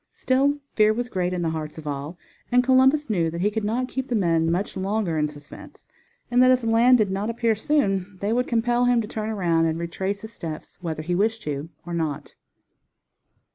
Still fear was great in the hearts of all, and Columbus knew that he could not keep the men much longer in suspense, and that if land did not appear soon they would compel him to turn around and retrace his steps whether he wished to or not.